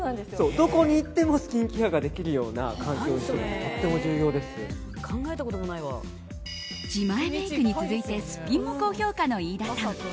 どこに行ってもスキンケアができるような環境にしておくって自前メイクに続いてすっぴんも高評価の飯田さん。